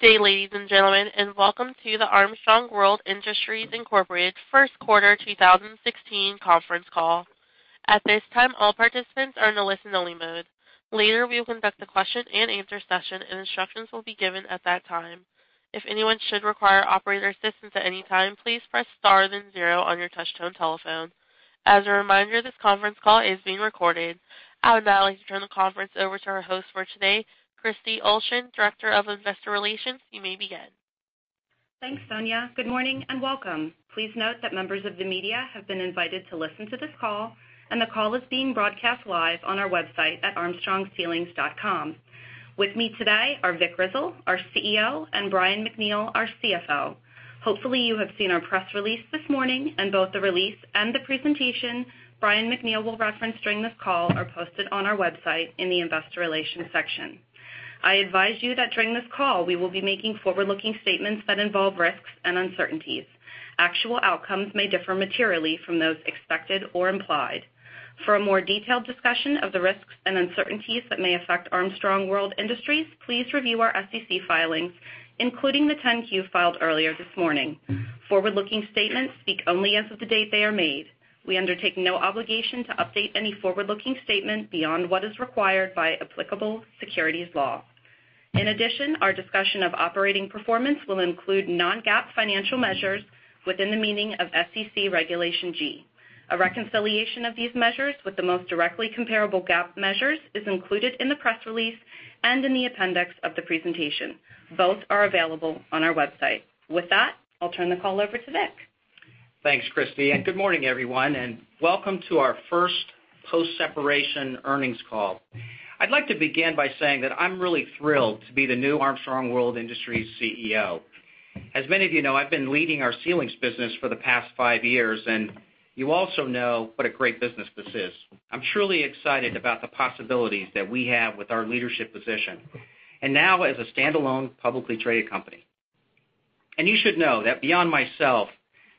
Good day, ladies and gentlemen, and welcome to the Armstrong World Industries, Inc. First Quarter 2016 conference call. At this time, all participants are in a listen-only mode. Later, we will conduct a question and answer session, and instructions will be given at that time. If anyone should require operator assistance at any time, please press star then zero on your touch-tone telephone. As a reminder, this conference call is being recorded. I would now like to turn the conference over to our host for today, Kristy Olson, Director of Investor Relations. You may begin. Thanks, Sonia. Good morning and welcome. Please note that members of the media have been invited to listen to this call, and the call is being broadcast live on our website at armstrongceilings.com. With me today are Vic Grizzle, our CEO, and Brian MacNeal, our CFO. Hopefully, you have seen our press release this morning, and both the release and the presentation Brian MacNeal will reference during this call are posted on our website in the investor relations section. I advise you that during this call, we will be making forward-looking statements that involve risks and uncertainties. Actual outcomes may differ materially from those expected or implied. For a more detailed discussion of the risks and uncertainties that may affect Armstrong World Industries, please review our SEC filings, including the 10-Q filed earlier this morning. Forward-looking statements speak only as of the date they are made. We undertake no obligation to update any forward-looking statement beyond what is required by applicable securities law. In addition, our discussion of operating performance will include non-GAAP financial measures within the meaning of SEC Regulation G. A reconciliation of these measures with the most directly comparable GAAP measures is included in the press release and in the appendix of the presentation. Both are available on our website. With that, I'll turn the call over to Vic. Thanks, Kristy. Good morning, everyone, and welcome to our first post-separation earnings call. I'd like to begin by saying that I'm really thrilled to be the new Armstrong World Industries CEO. As many of you know, I've been leading our ceilings business for the past five years, and you also know what a great business this is. I'm truly excited about the possibilities that we have with our leadership position and now as a stand-alone, publicly traded company. You should know that beyond myself,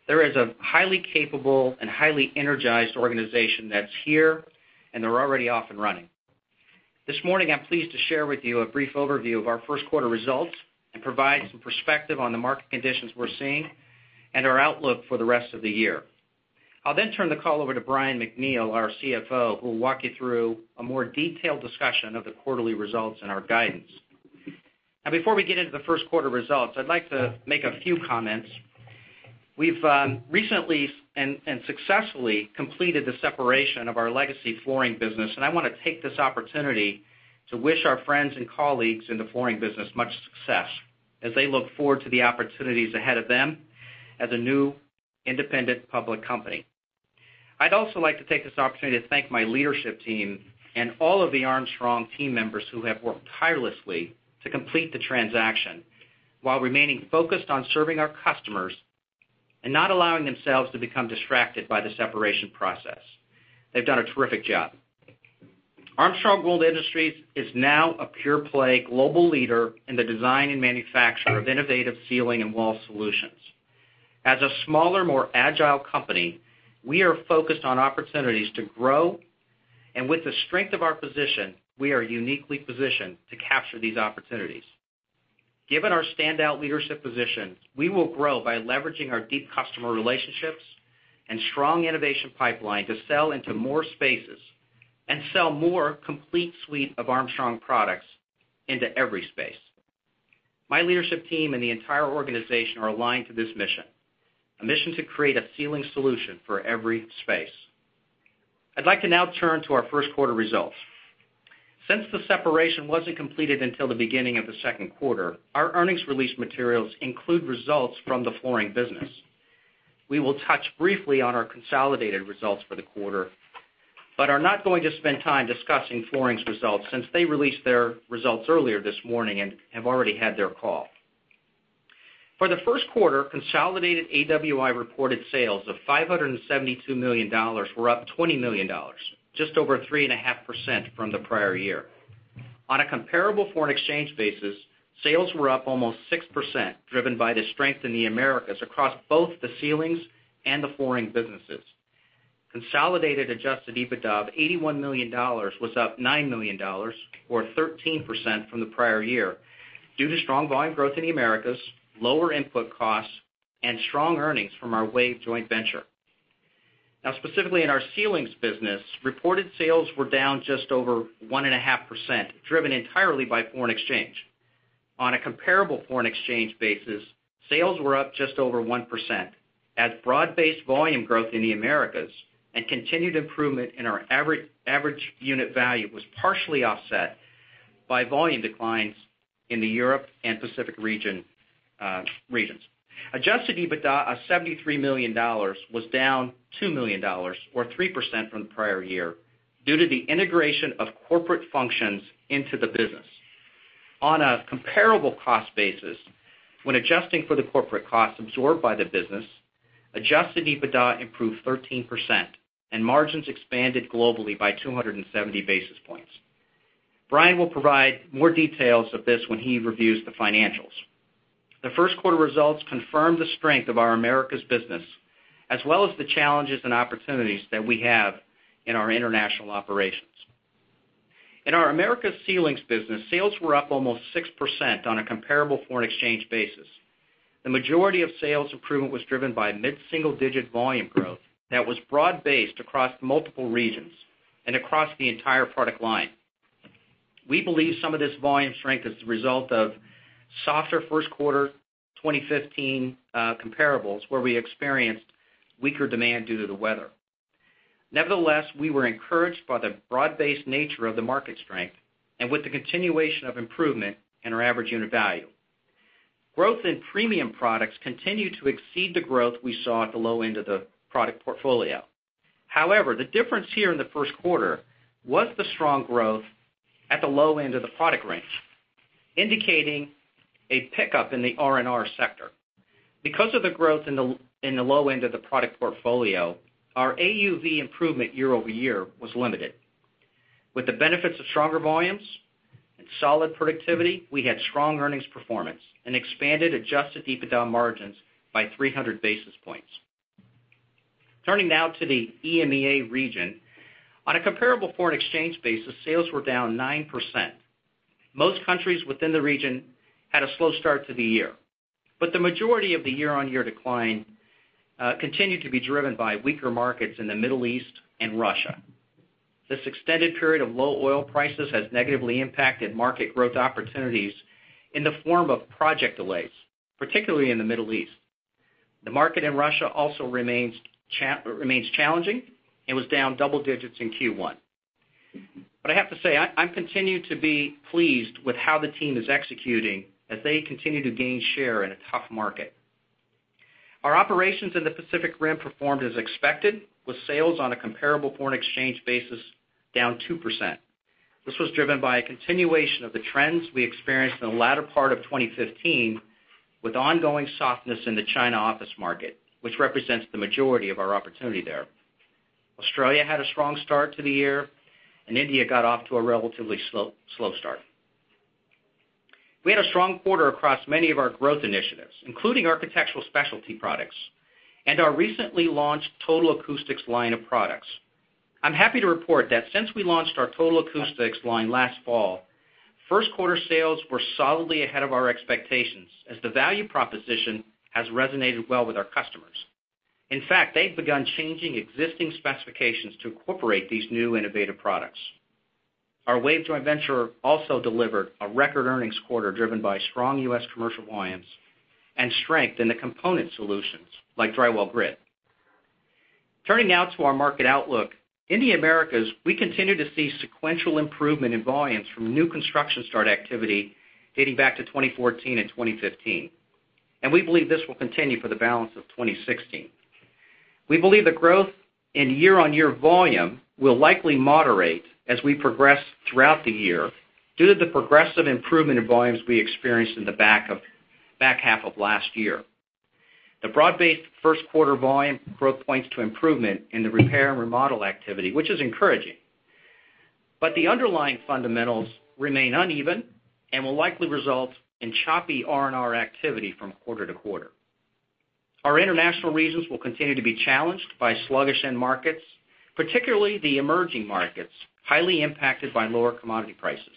there is a highly capable and highly energized organization that's here, and they're already off and running. This morning, I'm pleased to share with you a brief overview of our first quarter results and provide some perspective on the market conditions we're seeing and our outlook for the rest of the year. I'll then turn the call over to Brian MacNeal, our CFO, who will walk you through a more detailed discussion of the quarterly results and our guidance. Before we get into the first quarter results, I'd like to make a few comments. We've recently and successfully completed the separation of our legacy flooring business, and I want to take this opportunity to wish our friends and colleagues in the flooring business much success as they look forward to the opportunities ahead of them as a new independent public company. I'd also like to take this opportunity to thank my leadership team and all of the Armstrong team members who have worked tirelessly to complete the transaction while remaining focused on serving our customers and not allowing themselves to become distracted by the separation process. They've done a terrific job. Armstrong World Industries is now a pure-play global leader in the design and manufacture of innovative ceiling and wall solutions. As a smaller, more agile company, we are focused on opportunities to grow, and with the strength of our position, we are uniquely positioned to capture these opportunities. Given our standout leadership position, we will grow by leveraging our deep customer relationships and strong innovation pipeline to sell into more spaces and sell more complete suite of Armstrong products into every space. My leadership team and the entire organization are aligned to this mission, a mission to create a ceiling solution for every space. I'd like to now turn to our first quarter results. Since the separation wasn't completed until the beginning of the second quarter, our earnings release materials include results from the flooring business. We will touch briefly on our consolidated results for the quarter but are not going to spend time discussing flooring's results since they released their results earlier this morning and have already had their call. For the first quarter, consolidated AWI reported sales of $572 million were up $20 million, just over 3.5% from the prior year. On a comparable foreign exchange basis, sales were up almost 6%, driven by the strength in the Americas across both the ceilings and the flooring businesses. Consolidated adjusted EBITDA of $81 million was up $9 million, or 13%, from the prior year due to strong volume growth in the Americas, lower input costs, and strong earnings from our WAVE joint venture. Specifically in our ceilings business, reported sales were down just over 1.5%, driven entirely by foreign exchange. On a comparable foreign exchange basis, sales were up just over 1% as broad-based volume growth in the Americas and continued improvement in our average unit value was partially offset by volume declines in the Europe and Pacific regions. Adjusted EBITDA of $73 million was down $2 million, or 3%, from the prior year due to the integration of corporate functions into the business. On a comparable cost basis, when adjusting for the corporate costs absorbed by the business, adjusted EBITDA improved 13%, and margins expanded globally by 270 basis points. Brian will provide more details of this when he reviews the financials. The first quarter results confirm the strength of our Americas business, as well as the challenges and opportunities that we have in our international operations. In our Americas Ceilings business, sales were up almost 6% on a comparable foreign exchange basis. The majority of sales improvement was driven by mid-single-digit volume growth that was broad-based across multiple regions and across the entire product line. We believe some of this volume strength is the result of softer first quarter 2015 comparables, where we experienced weaker demand due to the weather. Nevertheless, we were encouraged by the broad-based nature of the market strength and with the continuation of improvement in our average unit value. Growth in premium products continued to exceed the growth we saw at the low end of the product portfolio. However, the difference here in the first quarter was the strong growth at the low end of the product range, indicating a pickup in the R&R sector. Because of the growth in the low end of the product portfolio, our AUV improvement year-over-year was limited. With the benefits of stronger volumes and solid productivity, we had strong earnings performance and expanded adjusted EBITDA margins by 300 basis points. Turning now to the EMEA region. On a comparable foreign exchange basis, sales were down 9%. Most countries within the region had a slow start to the year, but the majority of the year-on-year decline continued to be driven by weaker markets in the Middle East and Russia. This extended period of low oil prices has negatively impacted market growth opportunities in the form of project delays, particularly in the Middle East. The market in Russia also remains challenging and was down double digits in Q1. I have to say, I continue to be pleased with how the team is executing as they continue to gain share in a tough market. Our operations in the Pacific Rim performed as expected, with sales on a comparable foreign exchange basis down 2%. This was driven by a continuation of the trends we experienced in the latter part of 2015, with ongoing softness in the China office market, which represents the majority of our opportunity there. Australia had a strong start to the year, and India got off to a relatively slow start. We had a strong quarter across many of our growth initiatives, including Architectural Specialties products and our recently launched Total Acoustics line of products. I'm happy to report that since we launched our Total Acoustics line last fall, first quarter sales were solidly ahead of our expectations as the value proposition has resonated well with our customers. In fact, they've begun changing existing specifications to incorporate these new innovative products. Our WAVE joint venture also delivered a record earnings quarter, driven by strong U.S. commercial volumes and strength in the component solutions like Drywall Grid. Turning now to our market outlook. In the Americas, we continue to see sequential improvement in volumes from new construction start activity dating back to 2014 and 2015, and we believe this will continue for the balance of 2016. We believe the growth in year-on-year volume will likely moderate as we progress throughout the year due to the progressive improvement in volumes we experienced in the back half of last year. The broad-based first quarter volume growth points to improvement in the repair and remodel activity, which is encouraging. The underlying fundamentals remain uneven and will likely result in choppy R&R activity from quarter to quarter. Our international regions will continue to be challenged by sluggish end markets, particularly the emerging markets, highly impacted by lower commodity prices.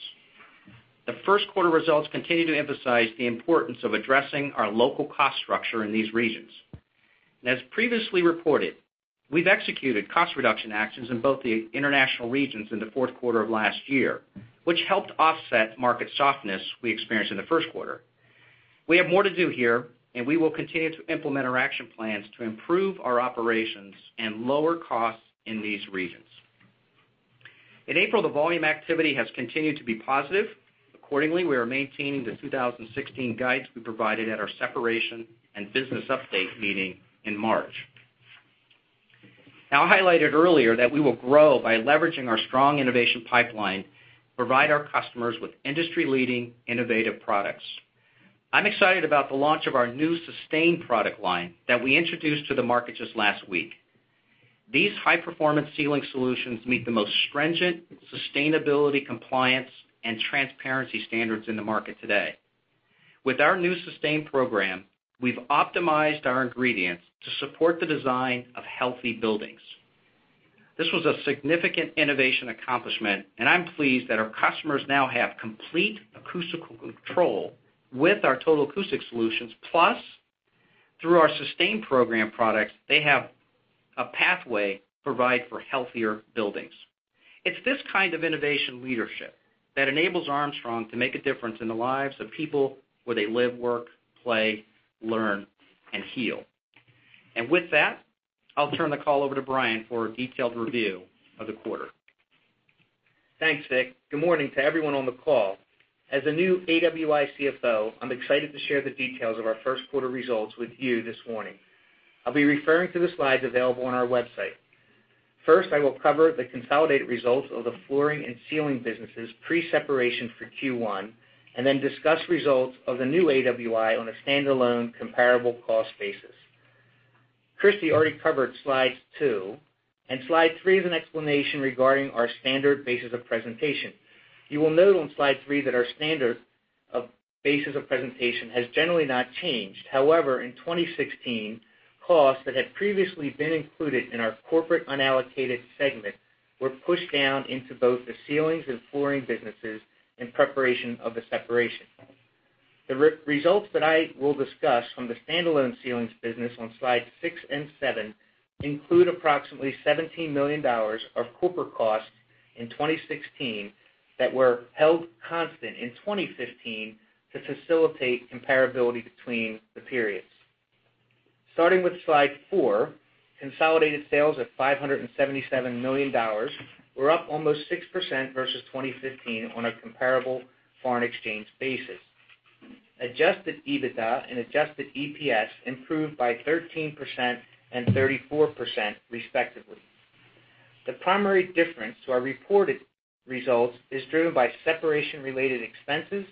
The first quarter results continue to emphasize the importance of addressing our local cost structure in these regions. As previously reported, we've executed cost reduction actions in both the international regions in the fourth quarter of last year, which helped offset market softness we experienced in the first quarter. We have more to do here, and we will continue to implement our action plans to improve our operations and lower costs in these regions. In April, the volume activity has continued to be positive. Accordingly, we are maintaining the 2016 guides we provided at our separation and business update meeting in March. I highlighted earlier that we will grow by leveraging our strong innovation pipeline to provide our customers with industry-leading innovative products. I'm excited about the launch of our new Sustain product line that we introduced to the market just last week. These high-performance ceiling solutions meet the most stringent sustainability compliance and transparency standards in the market today. With our new Sustain program, we've optimized our ingredients to support the design of healthy buildings. This was a significant innovation accomplishment, and I'm pleased that our customers now have complete acoustical control with our Total Acoustics solutions, plus, through our Sustain program products, they have a pathway to provide for healthier buildings. It's this kind of innovation leadership that enables Armstrong to make a difference in the lives of people where they live, work, play, learn, and heal. With that, I'll turn the call over to Brian for a detailed review of the quarter. Thanks, Vic. Good morning to everyone on the call. As the new AWI CFO, I'm excited to share the details of our first quarter results with you this morning. I'll be referring to the slides available on our website. First, I will cover the consolidated results of the flooring and ceiling businesses pre-separation for Q1, then discuss results of the new AWI on a standalone comparable cost basis. Kristy already covered slide two, slide three is an explanation regarding our standard basis of presentation. You will note on slide three that our standard of bases of presentation has generally not changed. However, in 2016, costs that had previously been included in our corporate unallocated segment were pushed down into both the ceilings and flooring businesses in preparation of the separation. The results that I will discuss from the standalone ceilings business on slides six and seven include approximately $17 million of corporate costs in 2016 that were held constant in 2015 to facilitate comparability between the periods. Starting with slide four, consolidated sales of $577 million were up almost 6% versus 2015 on a comparable foreign exchange basis. Adjusted EBITDA and adjusted EPS improved by 13% and 34% respectively. The primary difference to our reported results is driven by separation-related expenses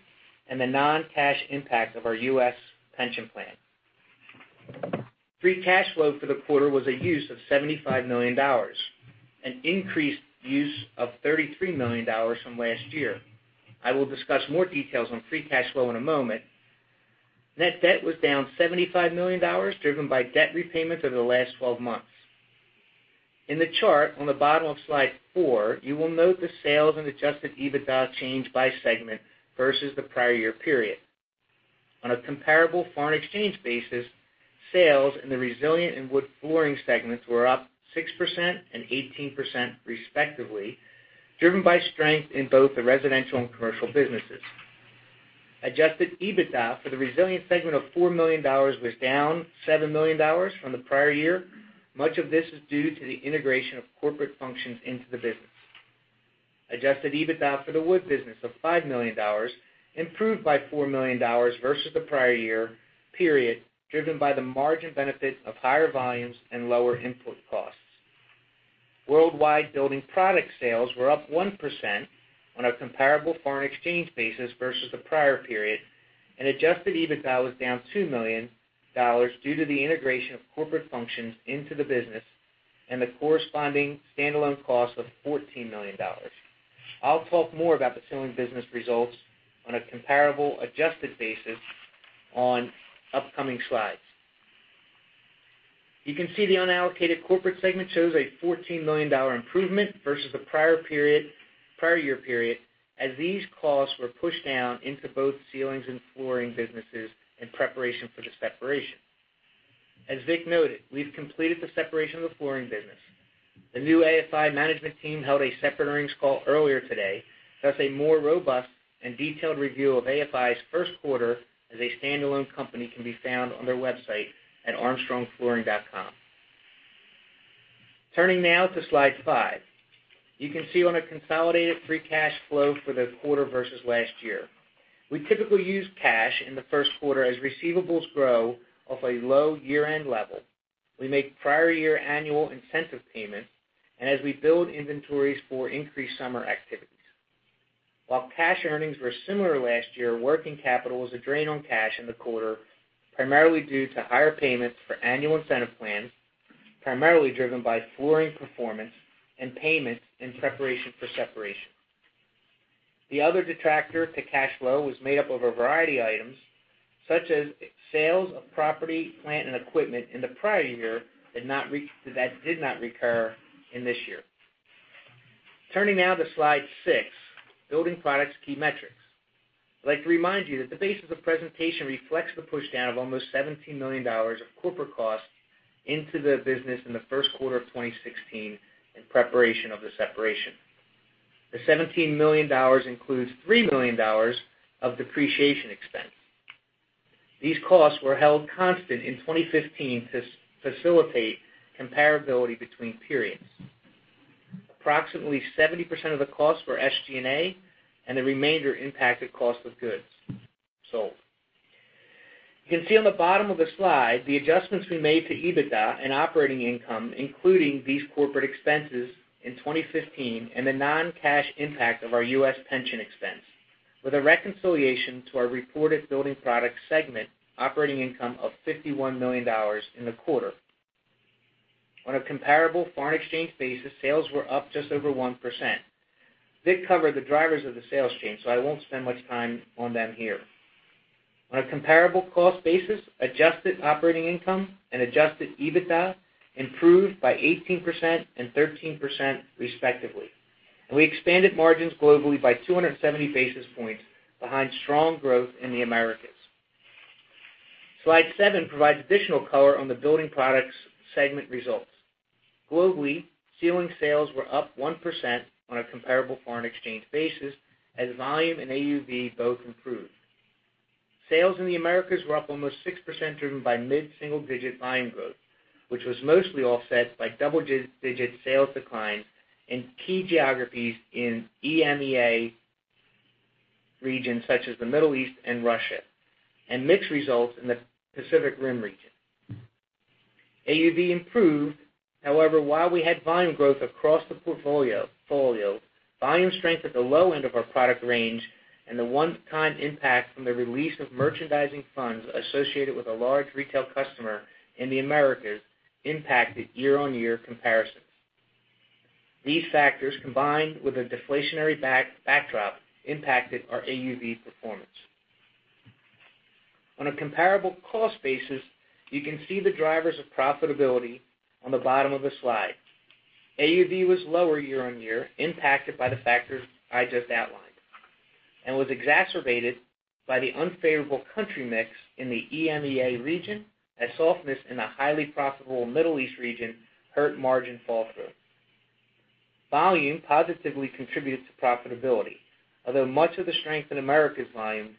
and the non-cash impact of our U.S. pension plan. Free cash flow for the quarter was a use of $75 million, an increased use of $33 million from last year. I will discuss more details on free cash flow in a moment. Net debt was down $75 million, driven by debt repayments over the last 12 months. In the chart on the bottom of slide four, you will note the sales and adjusted EBITDA change by segment versus the prior year period. On a comparable foreign exchange basis, sales in the resilient and wood flooring segments were up 6% and 18% respectively, driven by strength in both the residential and commercial businesses. Adjusted EBITDA for the resilient segment of $4 million was down $7 million from the prior year. Much of this was due to the integration of corporate functions into the business. Adjusted EBITDA for the wood business of $5 million improved by $4 million versus the prior year period, driven by the margin benefit of higher volumes and lower input costs. Worldwide building product sales were up 1% on a comparable foreign exchange basis versus the prior period. Adjusted EBITDA was down $2 million due to the integration of corporate functions into the business and the corresponding standalone cost of $14 million. I'll talk more about the ceiling business results on a comparable adjusted basis on upcoming slides. You can see the unallocated corporate segment shows a $14 million improvement versus the prior year period, as these costs were pushed down into both ceilings and flooring businesses in preparation for the separation. As Vic noted, we've completed the separation of the flooring business. The new AFI management team held a separate earnings call earlier today, thus a more robust and detailed review of AFI's first quarter as a standalone company can be found on their website at armstrongflooring.com. Turning now to slide five. You can see on a consolidated free cash flow for the quarter versus last year. We typically use cash in the first quarter as receivables grow off a low year-end level. We make prior year annual incentive payments and as we build inventories for increased summer activities. While cash earnings were similar last year, working capital was a drain on cash in the quarter, primarily due to higher payments for annual incentive plans, primarily driven by flooring performance and payments in preparation for separation. The other detractor to cash flow was made up of a variety items, such as sales of property, plant, and equipment in the prior year that did not recur in this year. Turning now to slide six, building products key metrics. I'd like to remind you that the basis of presentation reflects the pushdown of almost $17 million of corporate costs into the business in the first quarter of 2016 in preparation of the separation. The $17 million includes $3 million of depreciation expense. These costs were held constant in 2015 to facilitate comparability between periods. Approximately 70% of the costs were SG&A, and the remainder impacted cost of goods sold. You can see on the bottom of the slide the adjustments we made to EBITDA and operating income, including these corporate expenses in 2015 and the non-cash impact of our U.S. pension expense, with a reconciliation to our reported building product segment operating income of $51 million in the quarter. On a comparable foreign exchange basis, sales were up just over 1%. Vic covered the drivers of the sales change, I won't spend much time on them here. On a comparable cost basis, adjusted operating income and adjusted EBITDA improved by 18% and 13% respectively. We expanded margins globally by 270 basis points behind strong growth in the Americas. Slide seven provides additional color on the building products segment results. Globally, ceiling sales were up 1% on a comparable foreign exchange basis as volume and AUV both improved. Sales in the Americas were up almost 6% driven by mid-single-digit volume growth, which was mostly offset by double-digit sales decline in key geographies in EMEA region such as the Middle East and Russia, and mixed results in the Pacific Rim region. AUV improved. However, while we had volume growth across the portfolio, volume strength at the low end of our product range and the one-time impact from the release of merchandising funds associated with a large retail customer in the Americas impacted year-on-year comparisons. These factors, combined with a deflationary backdrop, impacted our AUV performance. On a comparable cost basis, you can see the drivers of profitability on the bottom of the slide. AUV was lower year-on-year, impacted by the factors I just outlined, and was exacerbated by the unfavorable country mix in the EMEA region as softness in the highly profitable Middle East region hurt margin fall-through. Volume positively contributed to profitability. Although much of the strength in Americas volume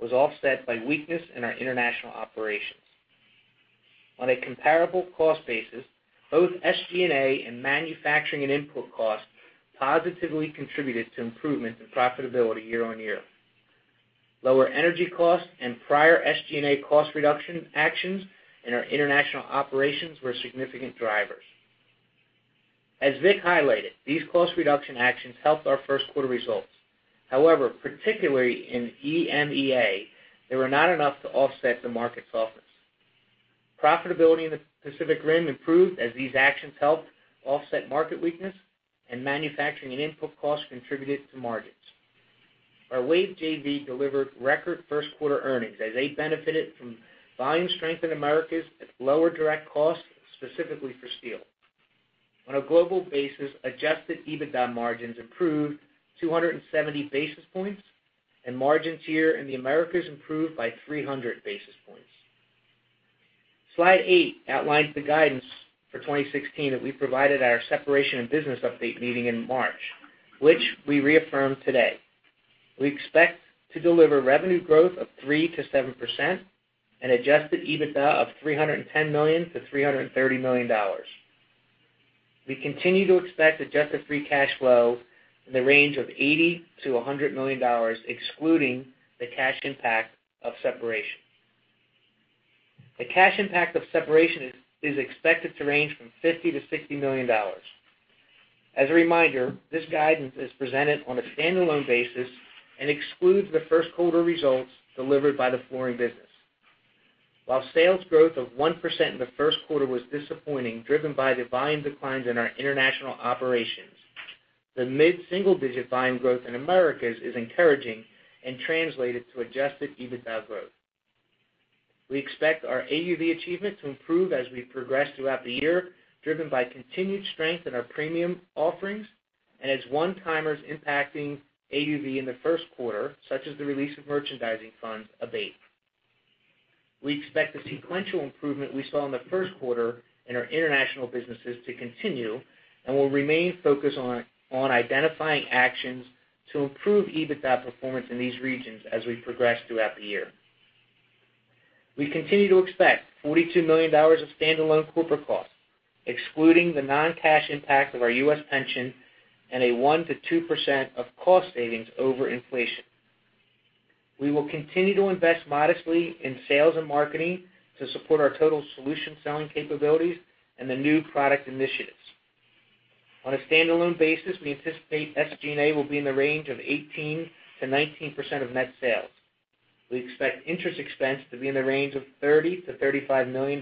was offset by weakness in our international operations. On a comparable cost basis, both SG&A and manufacturing and input costs positively contributed to improvements in profitability year-on-year. Lower energy costs and prior SG&A cost reduction actions in our international operations were significant drivers. As Vic highlighted, these cost reduction actions helped our first quarter results. However, particularly in EMEA, they were not enough to offset the market softness. Profitability in the Pacific Rim improved as these actions helped offset market weakness and manufacturing and input costs contributed to margins. Our WAVE JV delivered record first quarter earnings as they benefited from volume strength in Americas at lower direct costs, specifically for steel. On a global basis, adjusted EBITDA margins improved 270 basis points, and margins here in the Americas improved by 300 basis points. Slide eight outlines the guidance for 2016 that we provided at our separation and business update meeting in March, which we reaffirm today. We expect to deliver revenue growth of 3%-7% and adjusted EBITDA of $310 million-$330 million. We continue to expect adjusted free cash flow in the range of $80 million-$100 million, excluding the cash impact of separation. The cash impact of separation is expected to range from $50 million-$60 million. As a reminder, this guidance is presented on a standalone basis and excludes the first quarter results delivered by the flooring business. While sales growth of 1% in the first quarter was disappointing, driven by the volume declines in our international operations, the mid-single-digit volume growth in Americas is encouraging and translated to adjusted EBITDA growth. We expect our AUV achievement to improve as we progress throughout the year, driven by continued strength in our premium offerings and as one-timers impacting AUV in the first quarter, such as the release of merchandising funds abate. We expect the sequential improvement we saw in the first quarter in our international businesses to continue and will remain focused on identifying actions to improve EBITDA performance in these regions as we progress throughout the year. We continue to expect $42 million of standalone corporate costs, excluding the non-cash impact of our U.S. pension and a 1%-2% of cost savings over inflation. We will continue to invest modestly in sales and marketing to support our total solution selling capabilities and the new product initiatives. On a standalone basis, we anticipate SG&A will be in the range of 18%-19% of net sales. We expect interest expense to be in the range of $30 million-$35 million,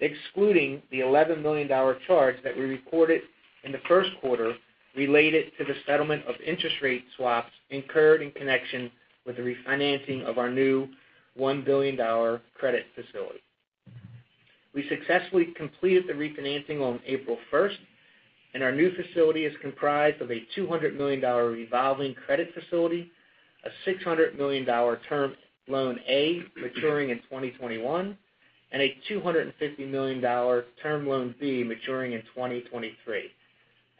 excluding the $11 million charge that we recorded in the first quarter related to the settlement of interest rate swaps incurred in connection with the refinancing of our new $1 billion credit facility. We successfully completed the refinancing on April 1st, our new facility is comprised of a $200 million revolving credit facility, a $600 million term loan A maturing in 2021, and a $250 million term loan B maturing in 2023.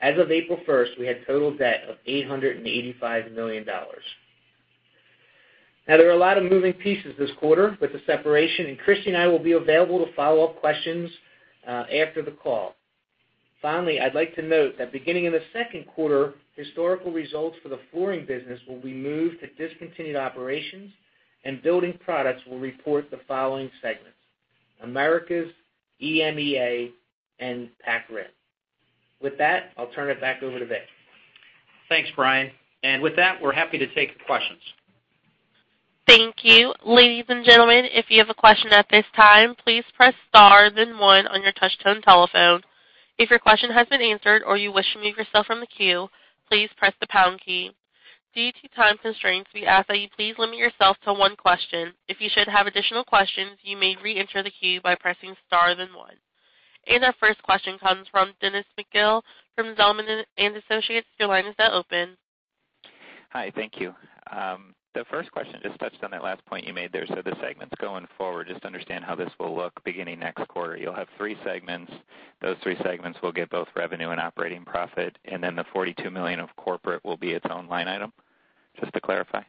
As of April 1st, we had total debt of $885 million. There are a lot of moving pieces this quarter with the separation, and Kristy and I will be available to follow up questions after the call. Finally, I'd like to note that beginning in the second quarter, historical results for the flooring business will be moved to discontinued operations, and building products will report the following segments: Americas, EMEA, and Pac Rim. With that, I'll turn it back over to Vic. Thanks, Brian. With that, we're happy to take the questions. Thank you. Ladies and gentlemen, if you have a question at this time, please press star then one on your touch-tone telephone. If your question has been answered or you wish to remove yourself from the queue, please press the pound key. Due to time constraints, we ask that you please limit yourself to one question. If you should have additional questions, you may reenter the queue by pressing star then one. Our first question comes from Dennis McGill from Zelman & Associates. Your line is now open. Hi, thank you. The first question just touched on that last point you made there. The segments going forward, just understand how this will look beginning next quarter. You'll have three segments. Those three segments will get both revenue and operating profit, and then the $42 million of corporate will be its own line item? Just to clarify.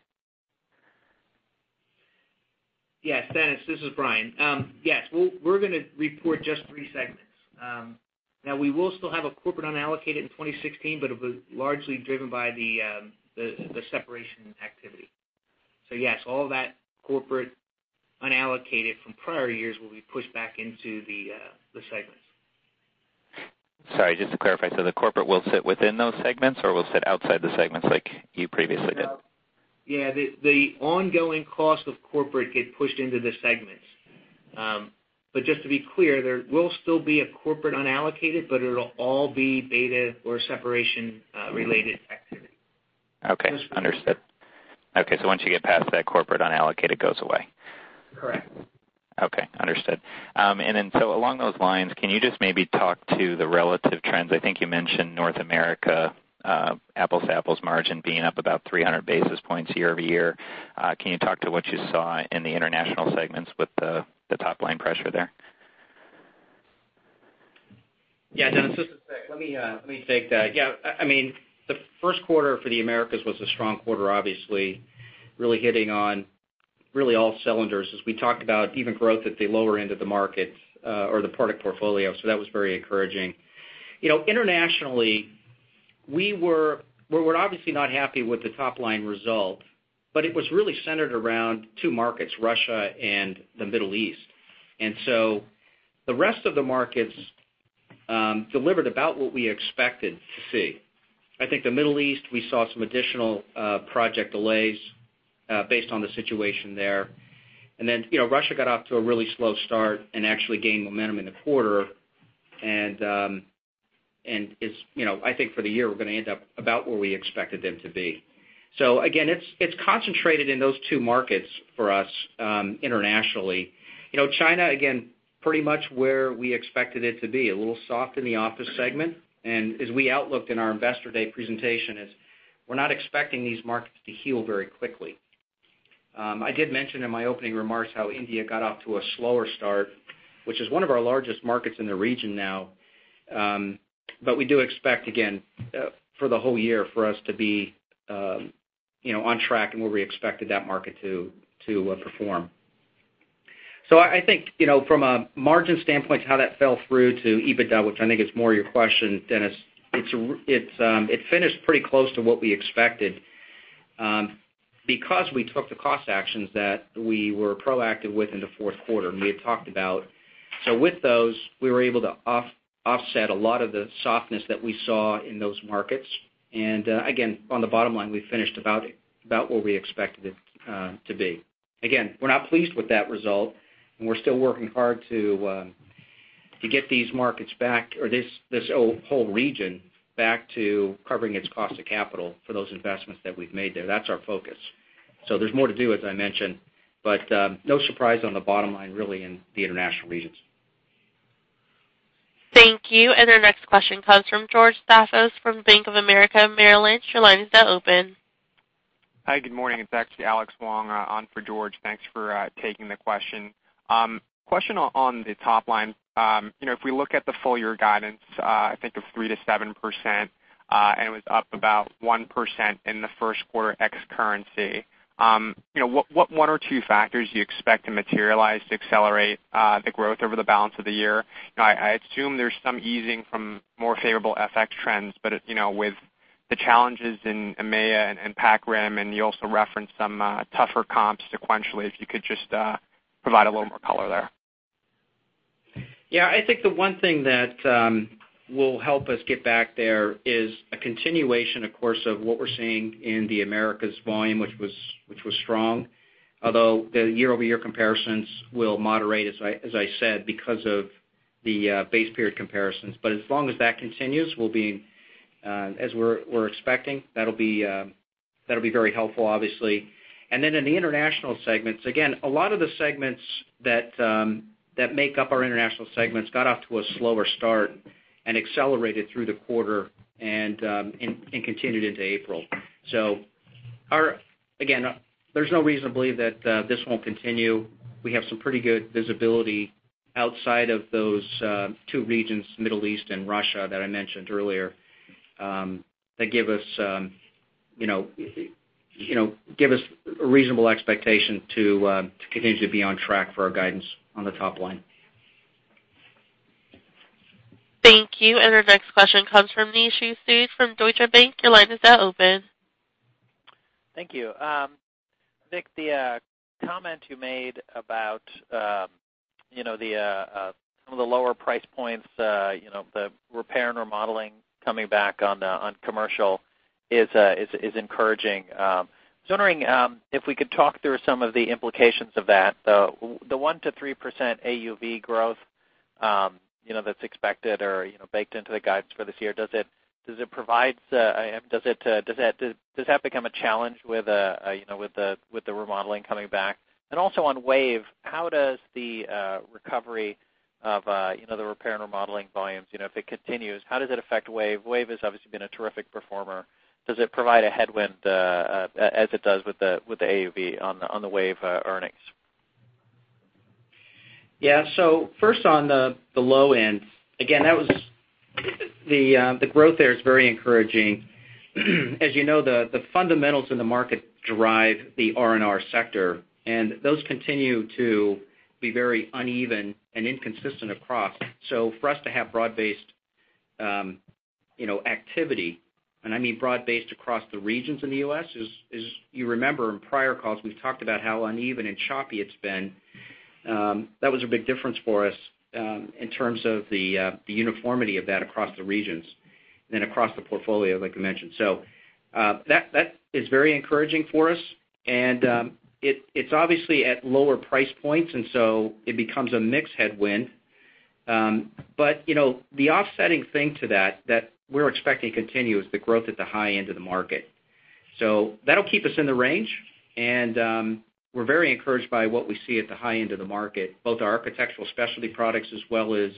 Yes, Dennis, this is Brian. Yes. We're going to report just three segments. Now, we will still have a corporate unallocated in 2016, but it was largely driven by the separation activity Yes, all that corporate unallocated from prior years will be pushed back into the segments. Sorry, just to clarify, the corporate will sit within those segments or will sit outside the segments like you previously did? Yeah. The ongoing cost of corporate get pushed into the segments. Just to be clear, there will still be a corporate unallocated, but it'll all be beta or separation-related activity. Okay. Understood. Okay, once you get past that corporate unallocated, it goes away. Correct. Okay. Understood. Along those lines, can you just maybe talk to the relative trends? I think you mentioned North America, apples-to-apples margin being up about 300 basis points year-over-year. Can you talk to what you saw in the international segments with the top-line pressure there? Yeah, Dennis, just a sec. Let me take that. Yeah. The first quarter for the Americas was a strong quarter, obviously, really hitting on really all cylinders as we talked about even growth at the lower end of the market, or the product portfolio. That was very encouraging. Internationally, we're obviously not happy with the top-line result, but it was really centered around two markets, Russia and the Middle East. The rest of the markets delivered about what we expected to see. I think the Middle East, we saw some additional project delays based on the situation there. Russia got off to a really slow start and actually gained momentum in the quarter, and I think for the year, we're going to end up about where we expected them to be. Again, it's concentrated in those two markets for us internationally. China, again, pretty much where we expected it to be, a little soft in the office segment, as we outlooked in our investor day presentation is we're not expecting these markets to heal very quickly. I did mention in my opening remarks how India got off to a slower start, which is one of our largest markets in the region now. We do expect, again, for the whole year for us to be on track and where we expected that market to perform. I think from a margin standpoint, how that fell through to EBITDA, which I think is more your question, Dennis, it finished pretty close to what we expected because we took the cost actions that we were proactive with in the fourth quarter, and we had talked about. With those, we were able to offset a lot of the softness that we saw in those markets. Again, on the bottom line, we finished about where we expected it to be. Again, we're not pleased with that result, and we're still working hard to get these markets back, or this whole region back to covering its cost of capital for those investments that we've made there. That's our focus. There's more to do, as I mentioned, but no surprise on the bottom line, really, in the international regions. Thank you. Our next question comes from George Staphos from Bank of America Merrill Lynch. Your line is now open. Hi, good morning. It's actually Alex Wong on for George. Thanks for taking the question. Question on the top line. If we look at the full year guidance, I think of 3%-7%, and it was up about 1% in the first quarter ex currency. What one or two factors do you expect to materialize to accelerate the growth over the balance of the year? I assume there's some easing from more favorable FX trends, with the challenges in EMEA and Pac Rim, and you also referenced some tougher comps sequentially, if you could just provide a little more color there. I think the one thing that will help us get back there is a continuation, of course, of what we're seeing in the Americas volume, which was strong. Although the year-over-year comparisons will moderate, as I said, because of the base period comparisons. As long as that continues, as we're expecting, that'll be very helpful, obviously. Then in the international segments, again, a lot of the segments that make up our international segments got off to a slower start and accelerated through the quarter and continued into April. Again, there's no reason to believe that this won't continue. We have some pretty good visibility outside of those two regions, Middle East and Russia, that I mentioned earlier, that give us a reasonable expectation to continue to be on track for our guidance on the top line. Thank you. Our next question comes from Nishu Sood from Deutsche Bank. Your line is now open. Thank you. Vic, the comment you made about some of the lower price points, the repair and remodeling coming back on commercial is encouraging. Just wondering if we could talk through some of the implications of that. The 1%-3% AUV growth that's expected or baked into the guidance for this year, does that become a challenge with the remodeling coming back? Also on WAVE, how does the recovery of the repair and remodeling volumes, if it continues, how does it affect WAVE? WAVE has obviously been a terrific performer. Does it provide a headwind as it does with the AUV on the WAVE earnings? Yeah. First on the low end, again, the growth there is very encouraging. As you know, the fundamentals in the market drive the R&R sector, and those continue to be very uneven and inconsistent across. For us to have broad-based Activity, I mean broad-based across the regions in the U.S. As you remember, in prior calls, we've talked about how uneven and choppy it's been. That was a big difference for us in terms of the uniformity of that across the regions than across the portfolio, like I mentioned. That is very encouraging for us, and it's obviously at lower price points, and so it becomes a mix headwind. The offsetting thing to that we're expecting to continue, is the growth at the high end of the market. That'll keep us in the range. We're very encouraged by what we see at the high end of the market, both our Architectural Specialties products as well as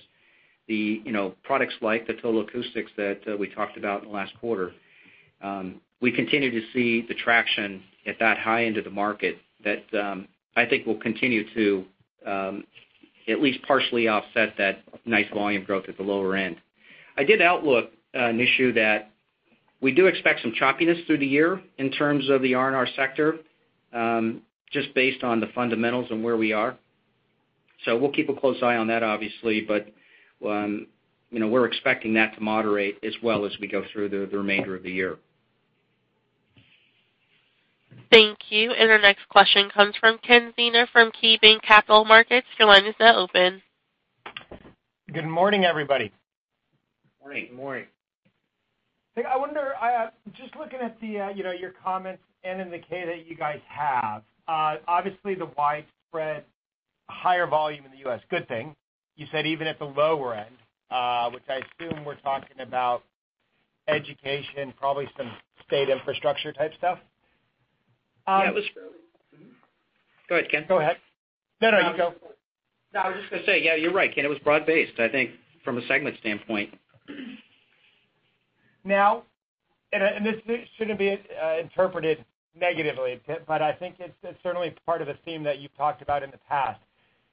the products like the Total Acoustics that we talked about in the last quarter. We continue to see the traction at that high end of the market that I think will continue to at least partially offset that nice volume growth at the lower end. I did outlook, Nishu, that we do expect some choppiness through the year in terms of the R&R sector, just based on the fundamentals and where we are. We'll keep a close eye on that, obviously, but we're expecting that to moderate as well as we go through the remainder of the year. Thank you. Our next question comes from Ken Zener from KeyBanc Capital Markets. Your line is now open. Good morning, everybody. Morning. Good morning. Vic, I wonder, just looking at your comments and in the K that you guys have, obviously the widespread higher volume in the U.S., good thing. You said even at the lower end, which I assume we're talking about education, probably some state infrastructure type stuff. Yeah, it was Go ahead, Ken. Go ahead. No, you go. I was just going to say, yeah, you're right, Ken. It was broad-based, I think, from a segment standpoint. Now, this shouldn't be interpreted negatively, I think it's certainly part of a theme that you've talked about in the past,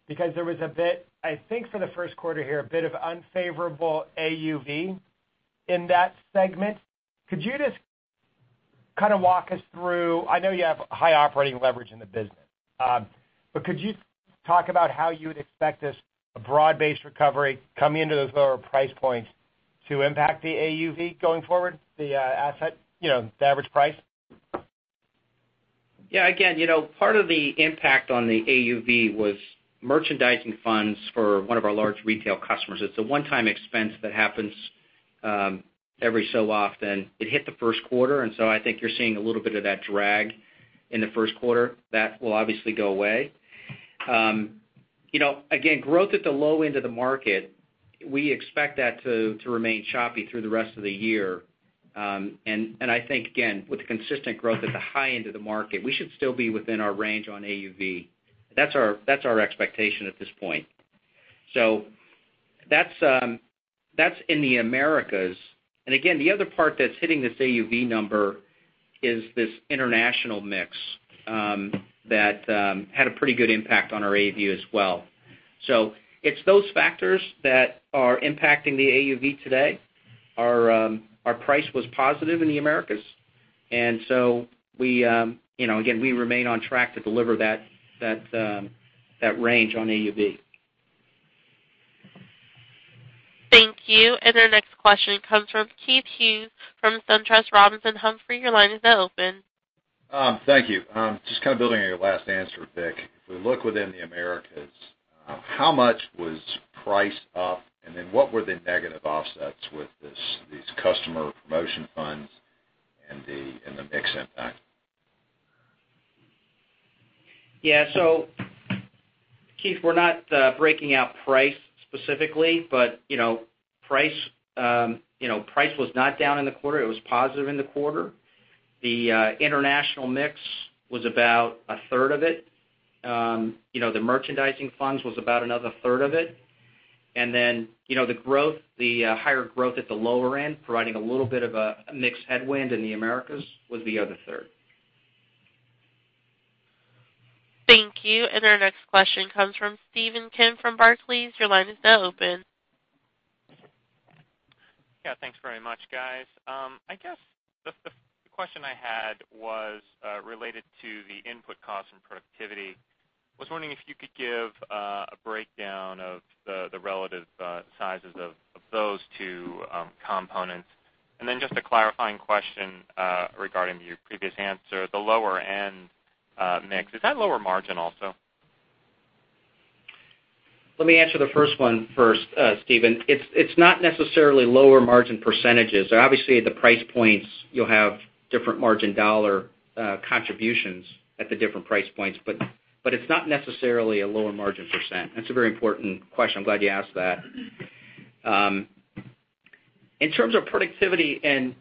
because there was a bit, I think for the first quarter here, a bit of unfavorable AUV in that segment. Could you just kind of walk us through, I know you have high operating leverage in the business. Could you talk about how you would expect this broad-based recovery coming into those lower price points to impact the AUV going forward, the asset, the average price? Again, part of the impact on the AUV was merchandising funds for one of our large retail customers. It's a one-time expense that happens every so often. It hit the first quarter, I think you're seeing a little bit of that drag in the first quarter. That will obviously go away. Again, growth at the low end of the market, we expect that to remain choppy through the rest of the year. I think, again, with consistent growth at the high end of the market, we should still be within our range on AUV. That's our expectation at this point. That's in the Americas. Again, the other part that's hitting this AUV number is this international mix that had a pretty good impact on our AUV as well. It's those factors that are impacting the AUV today. Our price was positive in the Americas, again, we remain on track to deliver that range on AUV. Thank you. Our next question comes from Keith Hughes from SunTrust Robinson Humphrey. Your line is now open. Thank you. Just kind of building on your last answer, Vic. If we look within the Americas, how much was priced up, and then what were the negative offsets with these customer promotion funds and the mix impact? Yeah. Keith, we're not breaking out price specifically, but price was not down in the quarter. It was positive in the quarter. The international mix was about a third of it. The merchandising funds was about another third of it. The higher growth at the lower end, providing a little bit of a mix headwind in the Americas, was the other third. Thank you. Our next question comes from Stephen Kim from Barclays. Your line is now open. Yeah, thanks very much, guys. I guess the question I had was related to the input cost and productivity. I was wondering if you could give a breakdown of the relative sizes of those two components. Just a clarifying question regarding your previous answer. The lower end mix, is that lower margin also? Let me answer the first one first, Stephen. It's not necessarily lower margin percentages. Obviously, the price points, you'll have different margin dollar contributions at the different price points, but it's not necessarily a lower margin percent. That's a very important question. I'm glad you asked that. In terms of productivity and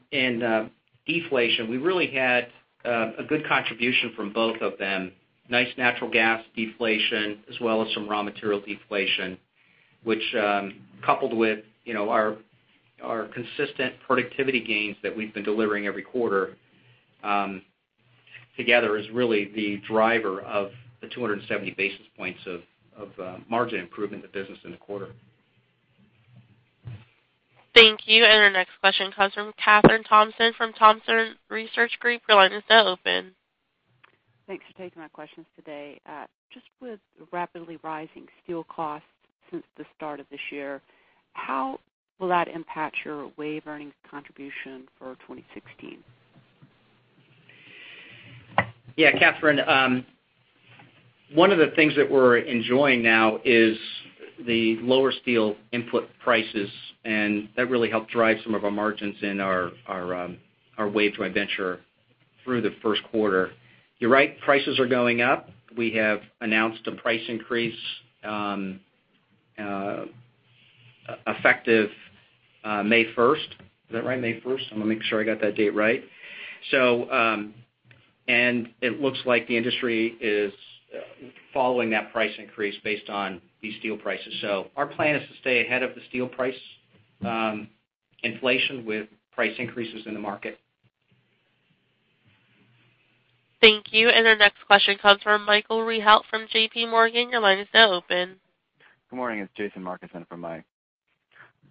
deflation, we really had a good contribution from both of them. Nice natural gas deflation as well as some raw material deflation, which coupled with our consistent productivity gains that we've been delivering every quarter together is really the driver of the 270 basis points of margin improvement in the business in the quarter. Thank you. Our next question comes from Kathryn Thompson from Thompson Research Group. Your line is now open. Thanks for taking my questions today. Just with rapidly rising steel costs since the start of this year, how will that impact your WAVE earnings contribution for 2016? Yeah, Kathryn, one of the things that we're enjoying now is the lower steel input prices, and that really helped drive some of our margins in our WAVE joint venture through the first quarter. You're right, prices are going up. We have announced a price increase, effective May 1st. Is that right? May 1st? I want to make sure I got that date right. It looks like the industry is following that price increase based on the steel prices. Our plan is to stay ahead of the steel price inflation with price increases in the market. Thank you. Our next question comes from Michael Rehaut from J.P. Morgan. Your line is now open. Good morning. It's Jason Markison for Mike.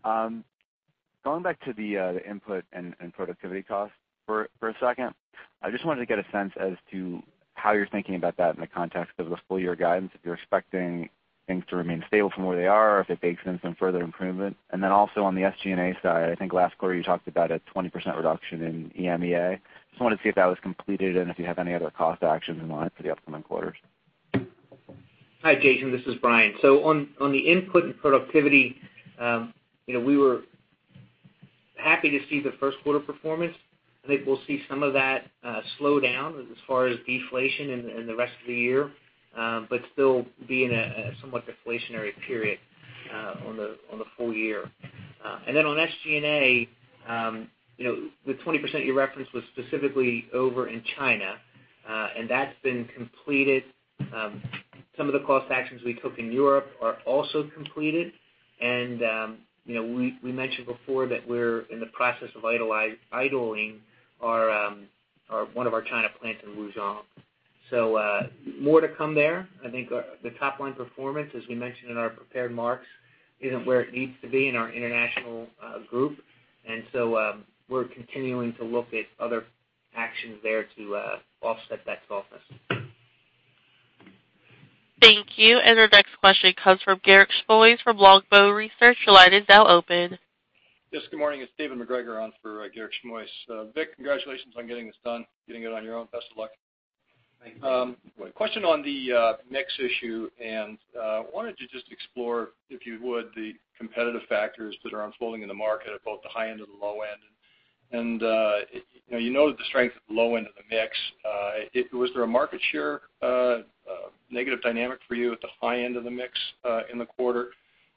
Going back to the input and productivity costs for a second, I just wanted to get a sense as to how you're thinking about that in the context of the full year guidance, if you're expecting things to remain stable from where they are, or if it bakes in some further improvement. Also on the SG&A side, I think last quarter you talked about a 20% reduction in EMEA. Just wanted to see if that was completed and if you have any other cost actions in line for the upcoming quarters. Hi, Jason. This is Brian. On the input and productivity, we were happy to see the first quarter performance. I think we'll see some of that slow down as far as deflation in the rest of the year, but still be in a somewhat deflationary period on the full year. On the SG&A, the 20% you referenced was specifically over in China, and that's been completed. Some of the cost actions we took in Europe are also completed. We mentioned before that we're in the process of idling one of our China plants in Wujiang. More to come there. I think the top-line performance, as we mentioned in our prepared marks, isn't where it needs to be in our international group. We're continuing to look at other actions there to offset that softness. Thank you. Our next question comes from Garik Shmois from Longbow Research. Your line is now open. Yes, good morning. It's David Macgregor on for Garik Shmois. Vic, congratulations on getting this done, doing it on your own. Best of luck. Thank you. Question on the mix issue, wanted to just explore, if you would, the competitive factors that are unfolding in the market at both the high end and the low end. You know the strength of the low end of the mix. Was there a market share negative dynamic for you at the high end of the mix in the quarter?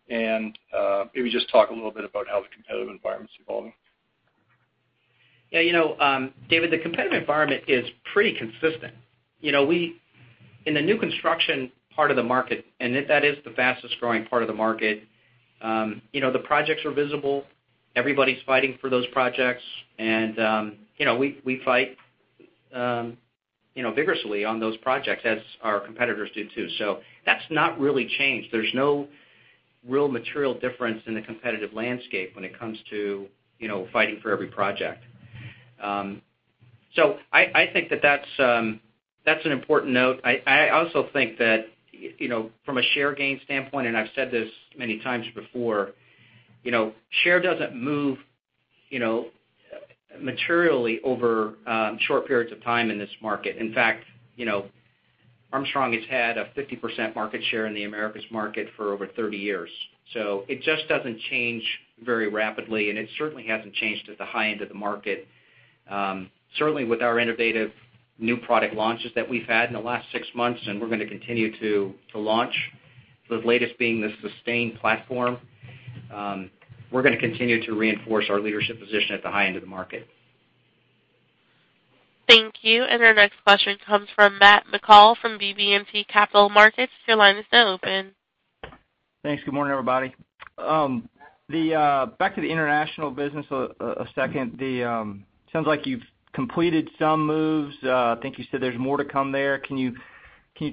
Maybe just talk a little bit about how the competitive environment's evolving. David, the competitive environment is pretty consistent. In the new construction part of the market, that is the fastest growing part of the market, the projects are visible. Everybody's fighting for those projects, we fight vigorously on those projects as our competitors do, too. That's not really changed. There's no real material difference in the competitive landscape when it comes to fighting for every project. I think that that's an important note. I also think that from a share gain standpoint, I've said this many times before, share doesn't move materially over short periods of time in this market. In fact, Armstrong has had a 50% market share in the Americas market for over 30 years. It just doesn't change very rapidly, and it certainly hasn't changed at the high end of the market. Certainly, with our innovative new product launches that we've had in the last six months, we're going to continue to launch, the latest being the SUSTAIN platform. We're going to continue to reinforce our leadership position at the high end of the market. Thank you. Our next question comes from Matt McCall from BB&T Capital Markets. Your line is now open. Thanks. Good morning, everybody. Back to the international business a second. Sounds like you've completed some moves. I think you said there's more to come there. Can you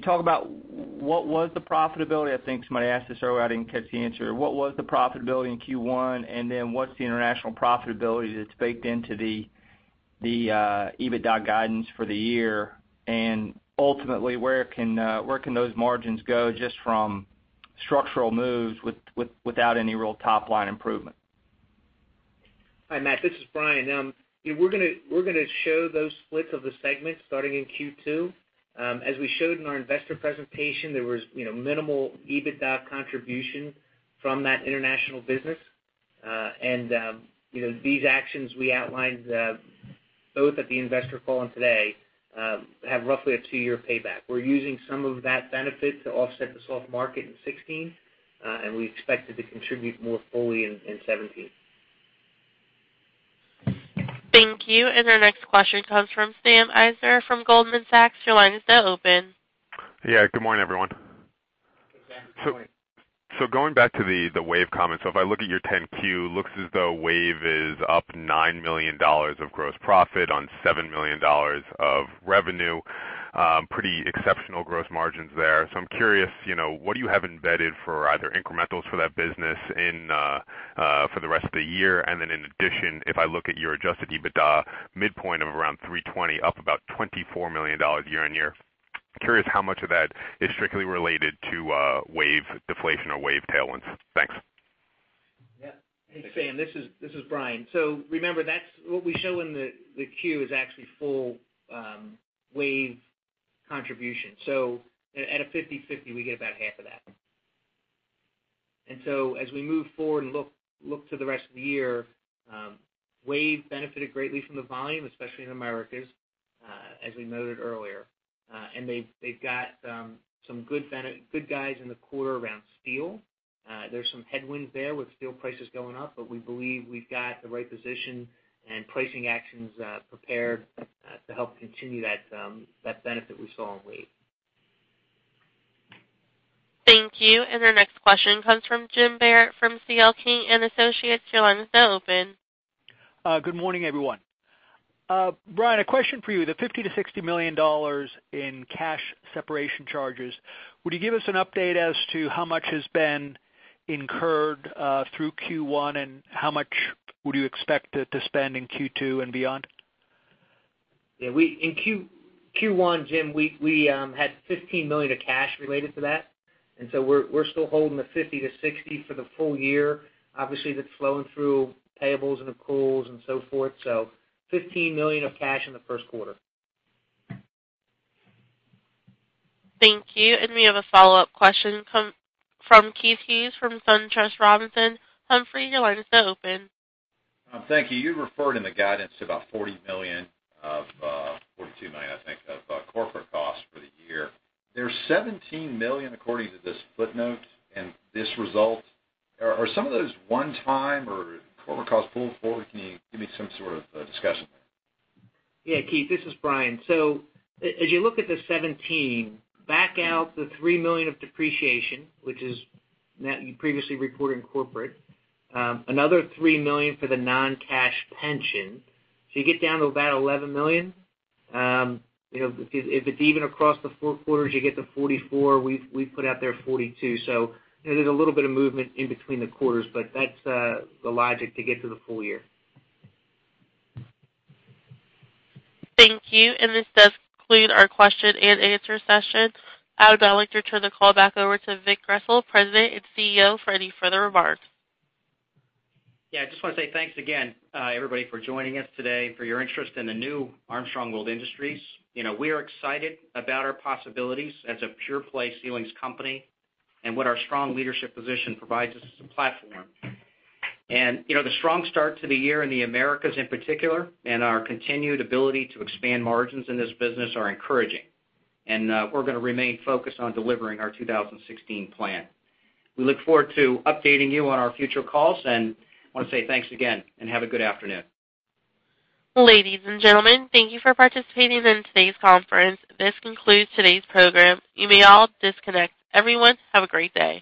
talk about what was the profitability? I think somebody asked this already, I didn't catch the answer. What was the profitability in Q1? Then what's the international profitability that's baked into the EBITDA guidance for the year? Ultimately, where can those margins go just from structural moves without any real top-line improvement? Hi, Matt. This is Brian. We're going to show those splits of the segments starting in Q2. As we showed in our investor presentation, there was minimal EBITDA contribution from that international business. These actions we outlined, both at the investor call and today, have roughly a two-year payback. We're using some of that benefit to offset the soft market in 2016, and we expect it to contribute more fully in 2017. Thank you. Our next question comes from Susan Maklari from Goldman Sachs. Your line is now open. Yeah. Good morning, everyone. Hey, ma'am. Going back to the WAVE comments. If I look at your 10-Q, looks as though WAVE is up $9 million of gross profit on $7 million of revenue. Pretty exceptional gross margins there. I'm curious, what do you have embedded for either incrementals for that business for the rest of the year? In addition, if I look at your adjusted EBITDA midpoint of around $320, up about $24 million year-on-year. Curious how much of that is strictly related to WAVE deflation or WAVE tailwinds? Thanks. Yeah. Hey, Sam, this is Brian. Remember, what we show in the 10-Q is actually full WAVE contribution. At a 50/50, we get about half of that. As we move forward and look to the rest of the year, WAVE benefited greatly from the volume, especially in Americas, as we noted earlier. They've got some good guys in the quarter around steel. There's some headwinds there with steel prices going up, we believe we've got the right position and pricing actions prepared to help continue that benefit we saw in WAVE. Thank you. Our next question comes from James Barrett from C.L. King & Associates. Your line is now open. Good morning, everyone. Brian, a question for you. The $50 million-$60 million in cash separation charges, would you give us an update as to how much has been incurred through Q1, and how much would you expect to spend in Q2 and beyond? Yeah. In Q1, Jim, we had $15 million of cash related to that. We're still holding the $50 million-$60 million for the full year. Obviously, that's flowing through payables into pools and so forth. $15 million of cash in the first quarter. Thank you. We have a follow-up question from Keith Hughes from SunTrust Robinson Humphrey. Your line is now open. Thank you. You referred in the guidance to about $40 million, $42 million, I think, of corporate costs for the year. There's $17 million according to this footnote and this result. Are some of those one time or corporate costs pulled forward? Can you give me some sort of discussion there? Yeah, Keith, this is Brian. As you look at the $17, back out the $3 million of depreciation, which is previously reported in corporate. Another $3 million for the non-cash pension. You get down to about $11 million. If it's even across the four quarters, you get to $44. We've put out there $42. There's a little bit of movement in between the quarters, but that's the logic to get to the full year. Thank you. This does conclude our question and answer session. I would now like to turn the call back over to Vic Grizzle, President and CEO, for any further remarks. Yeah, I just want to say thanks again, everybody, for joining us today, for your interest in the new Armstrong World Industries. We are excited about our possibilities as a pure play ceilings company and what our strong leadership position provides us as a platform. The strong start to the year in the Americas in particular and our continued ability to expand margins in this business are encouraging, and we're going to remain focused on delivering our 2016 plan. We look forward to updating you on our future calls, I want to say thanks again and have a good afternoon. Ladies and gentlemen, thank you for participating in today's conference. This concludes today's program. You may all disconnect. Everyone, have a great day.